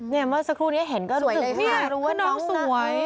เมื่อสักครู่นี้เห็นก็รู้สึกว่าน้องสวย